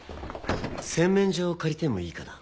洗面所を借りてもいいかな？